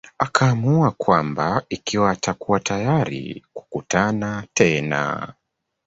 akaamua kwamba ikiwa atakuwa tayari kukutana tena